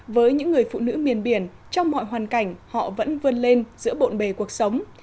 với những người phụ nữ miền biển trong mọi hoàn cảnh họ vẫn vươn lên giữa bộn bề cuộc sống